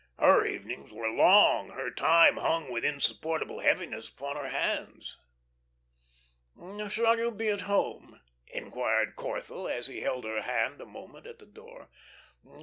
Her evenings were long, her time hung with insupportable heaviness upon her hands. "Shall you be at home?" inquired Corthell, as he held her hand a moment at the door.